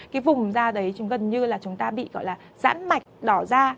cái vùng da đấy gần như là chúng ta bị gọi là giãn mạch đỏ da